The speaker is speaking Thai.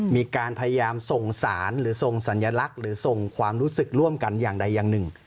มีการพยายามส่งสารหรือส่งสัญลักษณ์หรือส่งความรู้สึกร่วมกันอย่างใดอย่างหนึ่ง